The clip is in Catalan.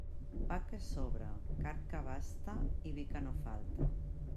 Pa que sobre, carn que abaste i vi que no falte.